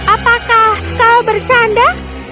apakah kau bercanda